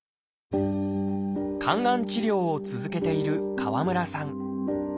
肝がん治療を続けている川村さん。